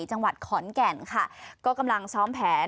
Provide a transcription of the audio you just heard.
จังหวัดขอนแก่นค่ะก็กำลังซ้อมแผน